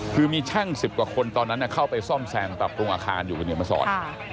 คือมีช่างสิบกว่าคนตอนนั้นเข้าไปซ่อมแสงปรับโครงอาคารอยู่ในเมืองมะสอน